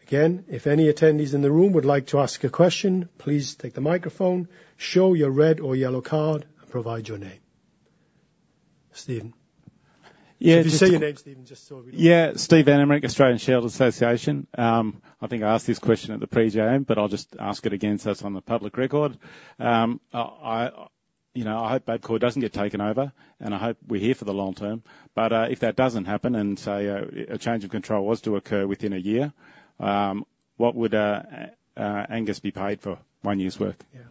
Again, if any attendees in the room would like to ask a question, please take the microphone, show your red or yellow card, and provide your name. Steven? Yeah. Just say your name, Steven, just so we- Yeah. Stephen van Emmerik, Australian Shareholders' Association. I think I asked this question at the pre-GM, but I'll just ask it again, so it's on the public record. You know, I hope Bapcor doesn't get taken over, and I hope we're here for the long term. But, if that doesn't happen, and, say, a change of control was to occur within a year, what would Angus be paid for one year's worth? Yeah.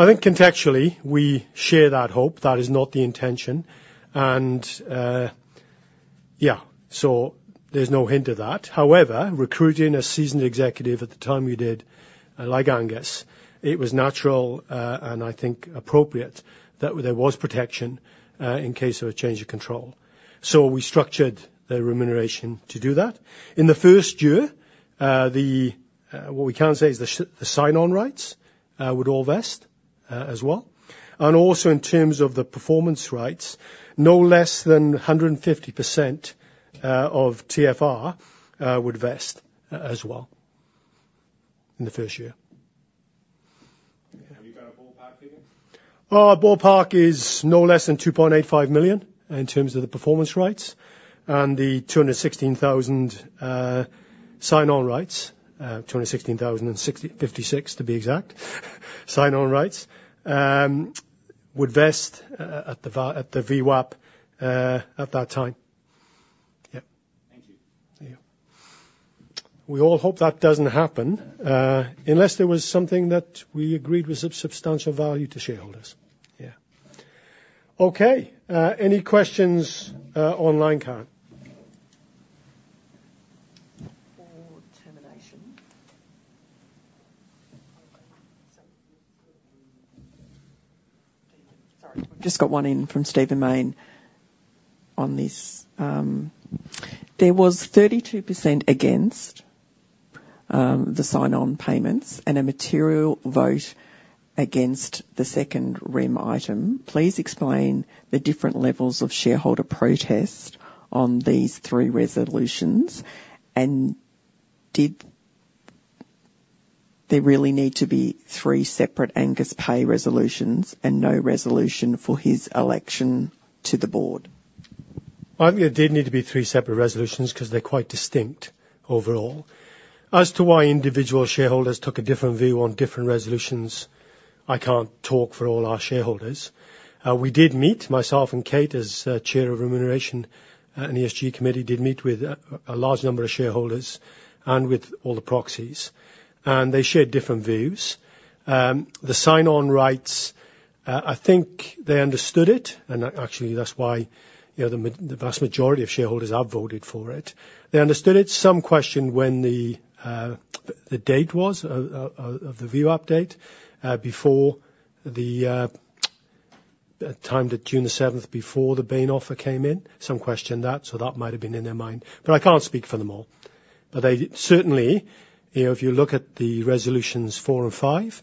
I think contextually, we share that hope. That is not the intention. And, yeah, so there's no hint of that. However, recruiting a seasoned executive at the time we did, like Angus, it was natural, and I think appropriate, that there was protection, in case of a change of control, so we structured the remuneration to do that. In the first year, what we can say is the sign-on rights would all vest, as well. And also, in terms of the performance rights, no less than 150% of TFR would vest as well in the first year. Have you got a ballpark figure? Our ballpark is no less than 2.85 million in terms of the performance rights and the 216,056 sign-on rights, to be exact, would vest at the VWAP at that time. Yeah. Thank you. Yeah. We all hope that doesn't happen, unless there was something that we agreed was of substantial value to shareholders. Yeah. Okay, any questions online, Karen? Or termination. Sorry, we've just got one in from Stephen Mayne on this. There was 32% against the sign-on payments and a material vote against the second rem item. Please explain the different levels of shareholder protest on these three resolutions, and did there really need to be three separate Angus pay resolutions and no resolution for his election to the board? I think there did need to be three separate resolutions 'cause they're quite distinct overall. As to why individual shareholders took a different view on different resolutions, I can't talk for all our shareholders. We did meet, myself and Kate, as chair of Remuneration and ESG Committee, did meet with a large number of shareholders and with all the proxies, and they shared different views. The sign-on rights, I think they understood it, and actually, that's why, you know, the vast majority of shareholders have voted for it. They understood it. Some questioned when the date was of the VWAP before the timed at June the seventh, before the Bain offer came in. Some questioned that, so that might have been in their mind, but I can't speak for them all. But they certainly... You know, if you look at the resolutions four and five,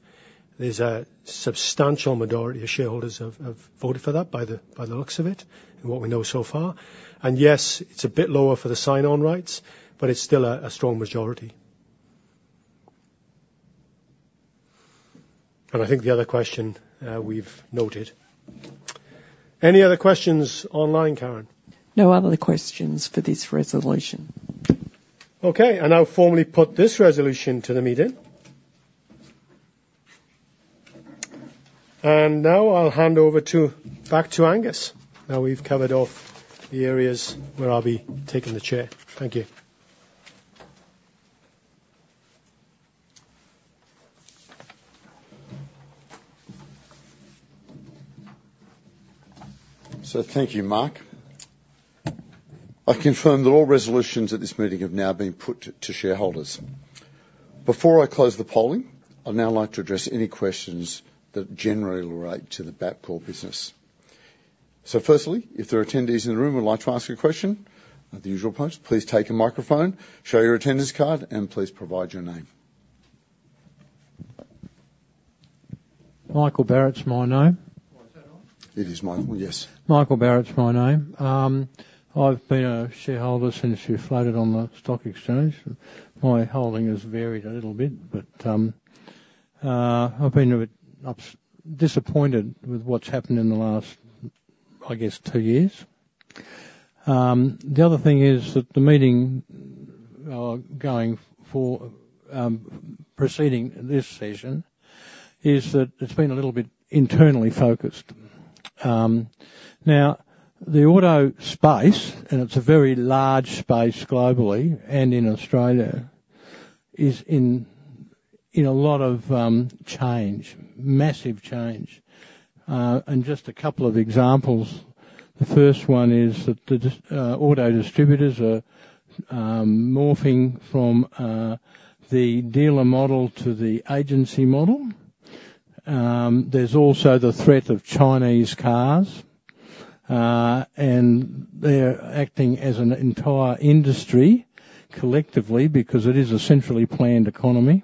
there's a substantial majority of shareholders have voted for that by the looks of it, and what we know so far. And yes, it's a bit lower for the sign-on rights, but it's still a strong majority. And I think the other question we've noted. Any other questions online, Karen? No other questions for this resolution. Okay, I now formally put this resolution to the meeting, and now I'll hand over to, back to Angus, now we've covered off the areas where I'll be taking the chair. Thank you. So thank you, Mark. I confirm that all resolutions at this meeting have now been put to shareholders. Before I close the polling, I'd now like to address any questions that generally relate to the Bapcor business. So firstly, if there are attendees in the room who would like to ask a question, the usual approach, please take a microphone, show your attendance card, and please provide your name. Michael Barrett's my name. Is that on? It is, Michael, yes. Michael Barrett's my name. I've been a shareholder since you floated on the stock exchange. My holding has varied a little bit, but I've been a bit disappointed with what's happened in the last, I guess, two years. The other thing is that the meeting going for preceding this session is that it's been a little bit internally focused. Now, the auto space, and it's a very large space globally and in Australia, is in a lot of change, massive change, and just a couple of examples. The first one is that the auto distributors are morphing from the dealer model to the agency model. There's also the threat of Chinese cars, and they're acting as an entire industry collectively, because it is a centrally planned economy.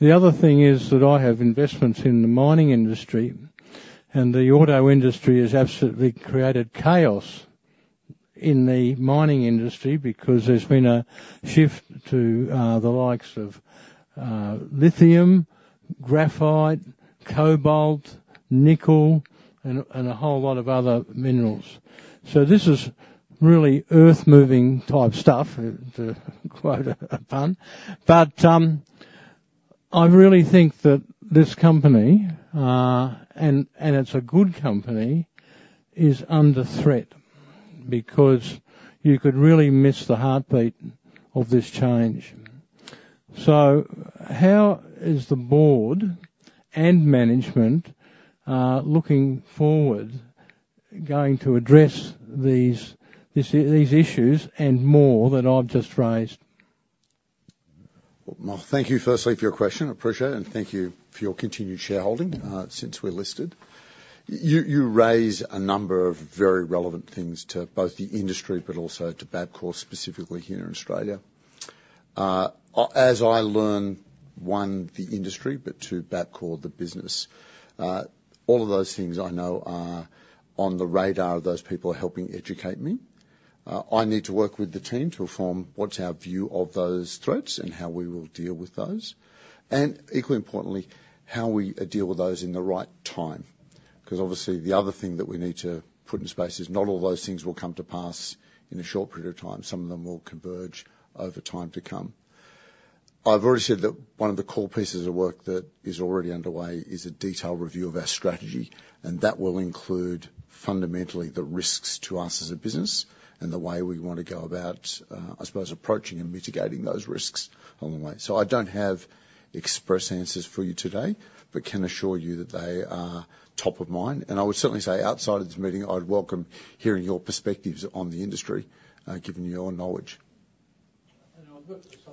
The other thing is that I have investments in the mining industry, and the auto industry has absolutely created chaos in the mining industry because there's been a shift to the likes of lithium, graphite, cobalt, nickel, and a whole lot of other minerals. So this is really earth-moving type stuff, to quote a pun. But I really think that this company, and it's a good company, is under threat because you could really miss the heartbeat of this change. So how is the board and management looking forward going to address these issues and more that I've just raised? Well, thank you firstly for your question. I appreciate it, and thank you for your continued shareholding since we listed. You raise a number of very relevant things to both the industry, but also to Bapcor, specifically here in Australia. As I learn, one, the industry, but two, Bapcor, the business, all of those things I know are on the radar of those people helping educate me. I need to work with the team to inform what's our view of those threats and how we will deal with those, and equally importantly, how we deal with those in the right time. 'Cause obviously, the other thing that we need to put in space is not all those things will come to pass in a short period of time. Some of them will converge over time to come. I've already said that one of the core pieces of work that is already underway is a detailed review of our strategy, and that will include, fundamentally, the risks to us as a business and the way we want to go about, I suppose, approaching and mitigating those risks along the way. So I don't have express answers for you today, but can assure you that they are top of mind, and I would certainly say outside of this meeting, I'd welcome hearing your perspectives on the industry, given your knowledge. I've got a supplementary question.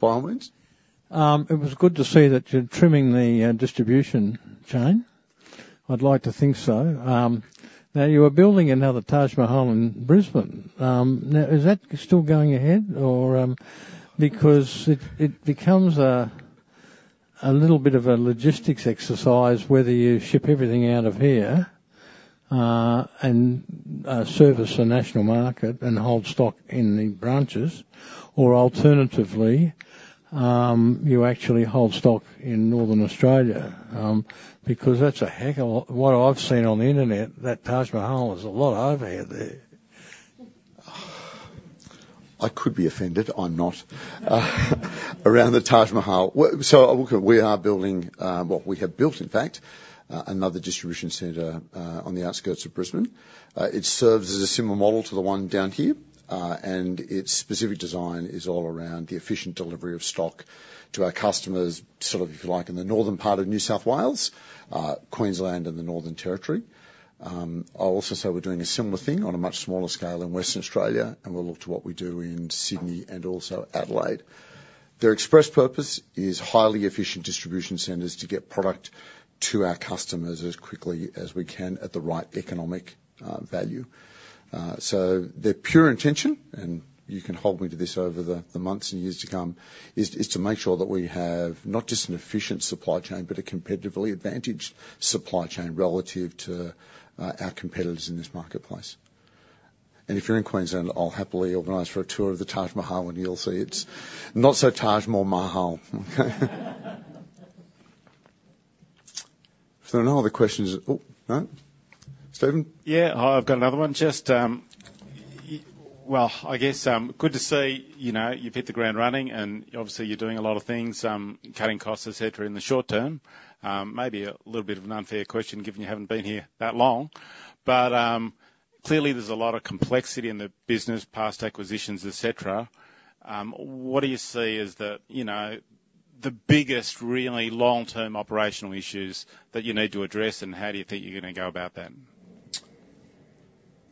By all means. It was good to see that you're trimming the distribution chain. I'd like to think so. Now, you are building another Taj Mahal in Brisbane. Now, is that still going ahead or... Because it becomes a little bit of a logistics exercise whether you ship everything out of here and service the national market and hold stock in the branches or alternatively you actually hold stock in Northern Australia because that's a heck of a lot. What I've seen on the internet, that Taj Mahal is a lot of overhead there. I could be offended. I'm not. Around the Taj Mahal. Well, so look, we are building, well, we have built, in fact, another distribution center, on the outskirts of Brisbane. It serves as a similar model to the one down here, and its specific design is all around the efficient delivery of stock to our customers, sort of, if you like, in the northern part of New South Wales, Queensland and the Northern Territory. I'll also say we're doing a similar thing on a much smaller scale in Western Australia, and we'll look to what we do in Sydney and also Adelaide. Their express purpose is highly efficient distribution centers to get product to our customers as quickly as we can at the right economic value. So their pure intention, and you can hold me to this over the months and years to come, is to make sure that we have not just an efficient supply chain, but a competitively advantaged supply chain relative to our competitors in this marketplace. And if you're in Queensland, I'll happily organize for a tour of the Taj Mahal, and you'll see it's not so Taj Mahal. If there are no other questions. Oh, no? Stephen? Yeah, I've got another one. Just, well, I guess, good to see, you know, you've hit the ground running, and obviously you're doing a lot of things, cutting costs, et cetera, in the short term. Maybe a little bit of an unfair question, given you haven't been here that long, but, clearly there's a lot of complexity in the business, past acquisitions, et cetera. What do you see as the, you know, the biggest, really long-term operational issues that you need to address, and how do you think you're gonna go about that?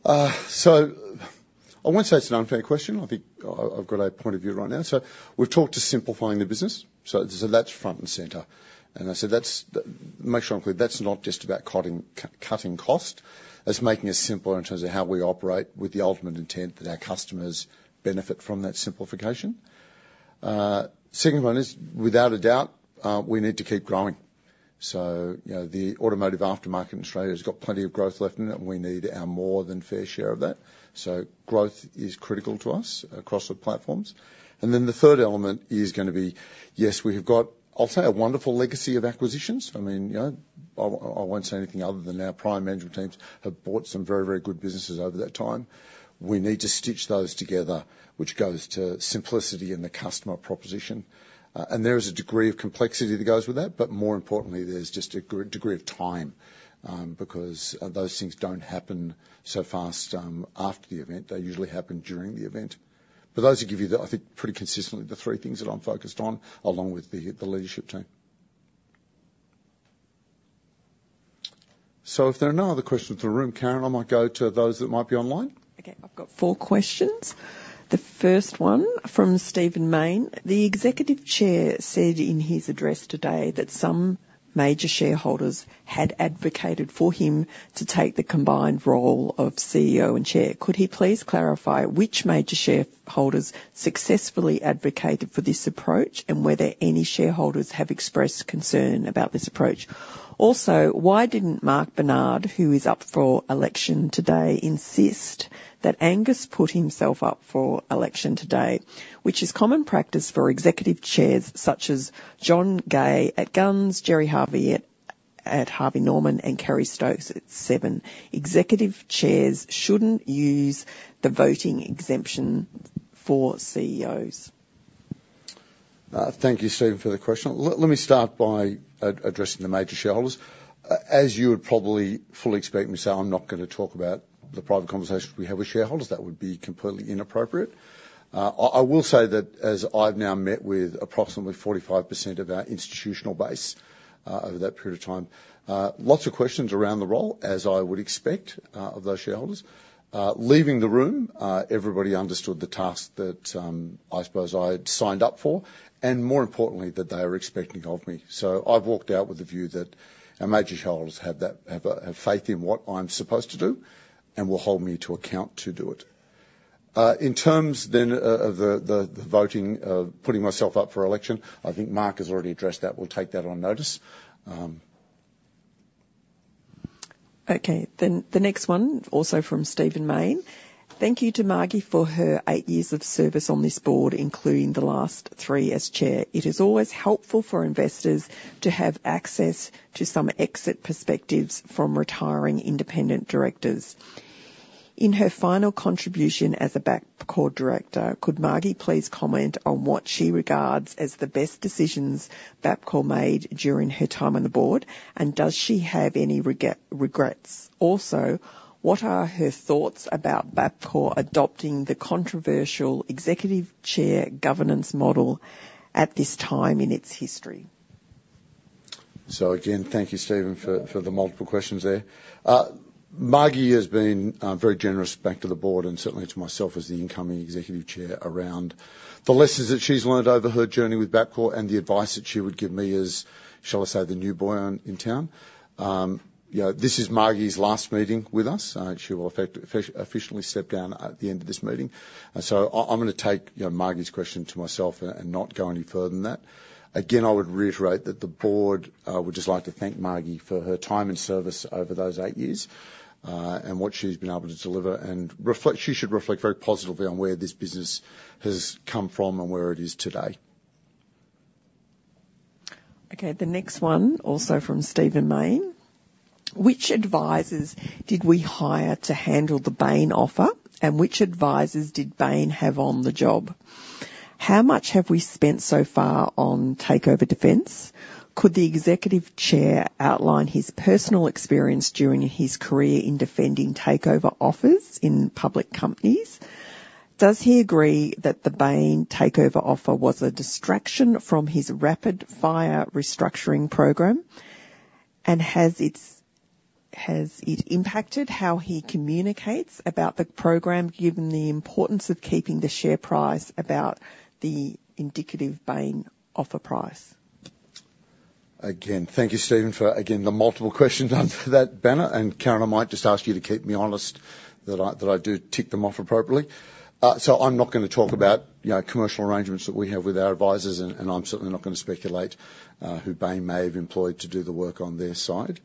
So I won't say it's an unfair question. I think I've got a point of view right now. So we've talked to simplifying the business, so that's front and center. And I said that's. Make sure I'm clear, that's not just about cutting cost, that's making it simpler in terms of how we operate with the ultimate intent that our customers benefit from that simplification. Second one is, without a doubt, we need to keep growing. So, you know, the automotive aftermarket in Australia has got plenty of growth left in it, and we need our more than fair share of that. So growth is critical to us across the platforms. And then the third element is gonna be, yes, we have got. I'll say, a wonderful legacy of acquisitions. I mean, you know, I won't say anything other than our prior management teams have bought some very, very good businesses over that time. We need to stitch those together, which goes to simplicity in the customer proposition. And there is a degree of complexity that goes with that, but more importantly, there's just a great degree of time, because those things don't happen so fast after the event. They usually happen during the event, but those will give you the, I think, pretty consistently, the three things that I'm focused on, along with the leadership team, so if there are no other questions in the room, Karen, I might go to those that might be online. Okay, I've got four questions. The first one from Stephen Mayne: The Executive Chair said in his address today that some major shareholders had advocated for him to take the combined role of CEO and Chair. Could he please clarify which major shareholders successfully advocated for this approach, and whether any shareholders have expressed concern about this approach? Also, why didn't Mark Bernhard, who is up for election today, insist that Angus put himself up for election today, which is common practice for executive chairs such as John Gay at Gunns, Gerry Harvey at Harvey Norman, and Kerry Stokes at Seven. Executive chairs shouldn't use the voting exemption for CEOs. Thank you Stephen for the question. Let me start by addressing the major shareholders. As you would probably fully expect me to say, I'm not gonna talk about the private conversations we have with shareholders. That would be completely inappropriate. I will say that as I've now met with approximately 45% of our institutional base, over that period of time, lots of questions around the role, as I would expect, of those shareholders. Leaving the room, everybody understood the task that I suppose I had signed up for and, more importantly, that they are expecting of me. So I've walked out with the view that our major shareholders have that faith in what I'm supposed to do and will hold me to account to do it. In terms then of the voting of putting myself up for election, I think Mark has already addressed that. We'll take that on notice. Okay, then the next one, also from Stephen Mayne: Thank you to Margie for her eight years of service on this board, including the last three as Chair. It is always helpful for investors to have access to some exit perspectives from retiring independent directors. In her final contribution as a Bapcor director, could Margie please comment on what she regards as the best decisions Bapcor made during her time on the board, and does she have any regrets? Also, what are her thoughts about Bapcor adopting the controversial executive chair governance model at this time in its history? So again, thank you, Stephen, for the multiple questions there. Margie has been very generous back to the board and certainly to myself as the incoming Executive Chair, around the lessons that she's learned over her journey with Bapcor and the advice that she would give me as, shall I say, the new boy in town. You know, this is Margie's last meeting with us, and she will officially step down at the end of this meeting. And so I, I'm gonna take, you know, Margie's question to myself and not go any further than that. Again, I would reiterate that the board would just like to thank Margie for her time and service over those eight years, and what she's been able to deliver. She should reflect very positively on where this business has come from and where it is today. Okay, the next one, also from Stephen Mayne: Which advisors did we hire to handle the Bain offer, and which advisors did Bain have on the job? How much have we spent so far on takeover defense? Could the Executive Chair outline his personal experience during his career in defending takeover offers in public companies? Does he agree that the Bain takeover offer was a distraction from his rapid-fire restructuring program? And has it impacted how he communicates about the program, given the importance of keeping the share price about the indicative Bain offer price? Again, thank you, Stephen, for again the multiple questions under that banner. And Karen, I might just ask you to keep me honest that I, that I do tick them off appropriately. So I'm not gonna talk about, you know, commercial arrangements that we have with our advisors, and I'm certainly not gonna speculate who Bain may have employed to do the work on their side.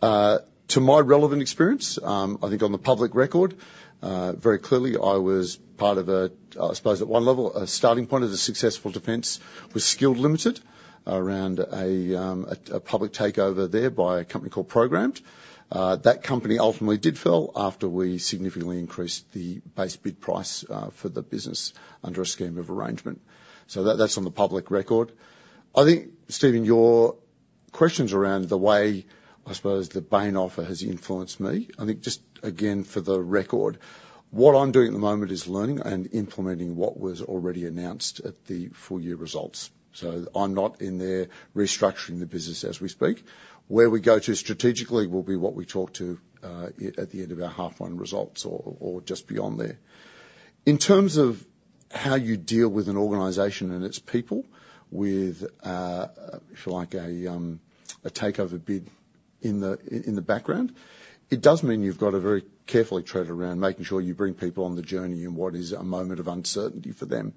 To my relevant experience, I think on the public record very clearly, I was part of a, I suppose, at one level, a starting point of the successful defense with Skilled Group around a public takeover there by a company called Programmed. That company ultimately did fail after we significantly increased the base bid price for the business under a scheme of arrangement. So that, that's on the public record. I think, Stephen, your questions around the way, I suppose, the Bain offer has influenced me. I think, just again, for the record, what I'm doing at the moment is learning and implementing what was already announced at the full year results. So I'm not in there restructuring the business as we speak. Where we go to strategically will be what we talk to at the end of our half one results or just beyond there. In terms of how you deal with an organization and its people with, if you like, a takeover bid in the background, it does mean you've got to very carefully tread around, making sure you bring people on the journey in what is a moment of uncertainty for them.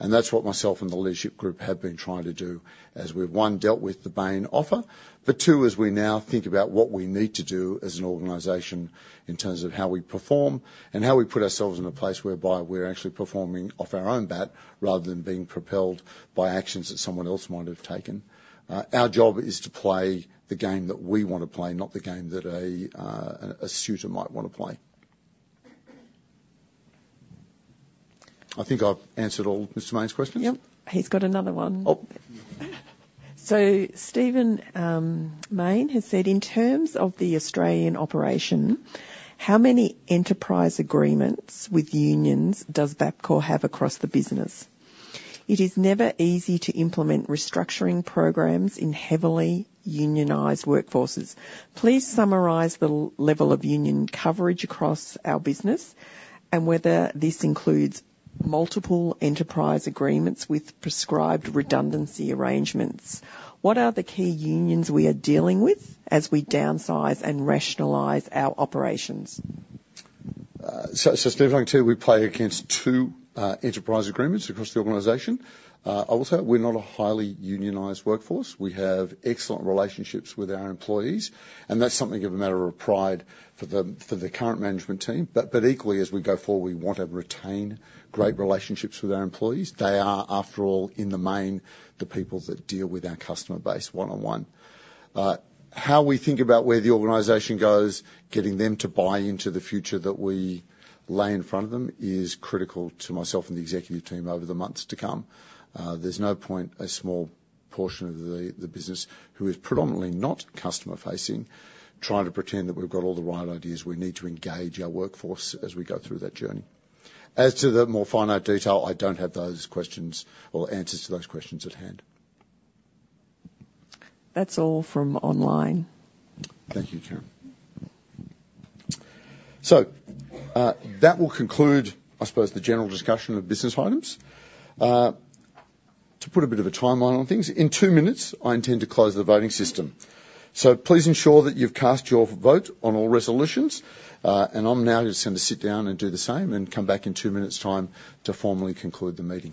That's what myself and the leadership group have been trying to do as we've, one, dealt with the Bain offer, but two, as we now think about what we need to do as an organization in terms of how we perform and how we put ourselves in a place whereby we're actually performing off our own bat rather than being propelled by actions that someone else might have taken. Our job is to play the game that we want to play, not the game that a suitor might wanna play. I think I've answered all Mr. Mayne's questions? Yep. He's got another one. Oh!... So Stephen Mayne has said, "In terms of the Australian operation, how many enterprise agreements with unions does Bapcor have across the business? It is never easy to implement restructuring programs in heavily unionized workforces. Please summarize the level of union coverage across our business, and whether this includes multiple enterprise agreements with prescribed redundancy arrangements. What are the key unions we are dealing with as we downsize and rationalize our operations? So Stephen, I can tell you, we have two enterprise agreements across the organization. Also, we're not a highly unionized workforce. We have excellent relationships with our employees, and that's something of a matter of pride for the current management team. But equally, as we go forward, we want to retain great relationships with our employees. They are, after all, in the main, the people that deal with our customer base one-on-one. How we think about where the organization goes, getting them to buy into the future that we lay in front of them, is critical to myself and the executive team over the months to come. There's no point, a small portion of the business, who is predominantly not customer-facing, trying to pretend that we've got all the right ideas. We need to engage our workforce as we go through that journey. As to the more finite detail, I don't have those questions or answers to those questions at hand. That's all from online. Thank you, Karen. So, that will conclude, I suppose, the general discussion of business items. To put a bit of a timeline on things, in two minutes, I intend to close the voting system. So please ensure that you've cast your vote on all resolutions. And I'm now just going to sit down and do the same and come back in two minutes' time to formally conclude the meeting.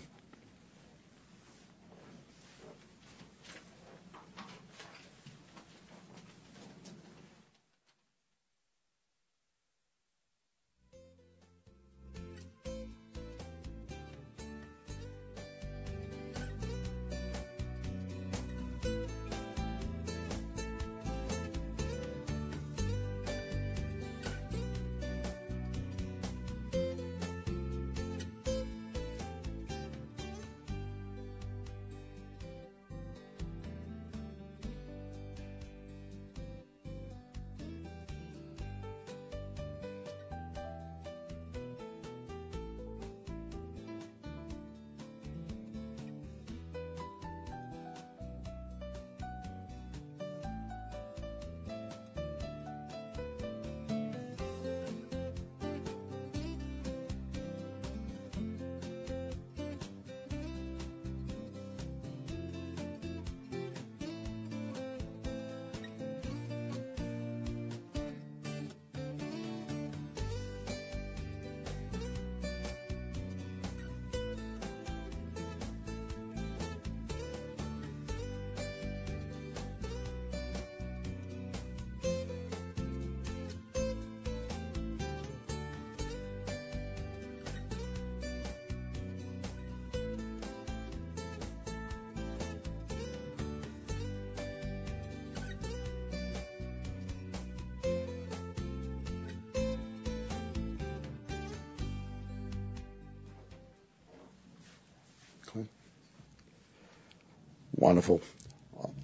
Wonderful.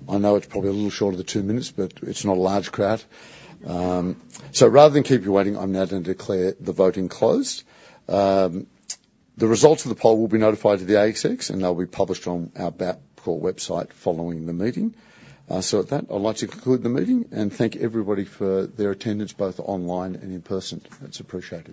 I know it's probably a little short of the two minutes, but it's not a large crowd. So rather than keep you waiting, I'm now going to declare the voting closed. The results of the poll will be notified to the ASX, and they'll be published on our Bapcor website following the meeting. So at that, I'd like to conclude the meeting and thank everybody for their attendance, both online and in person. It's appreciated.